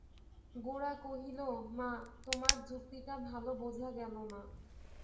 গোরা কহিল, মা, তোমার যুক্তিটা ভালো বোঝা গেল না।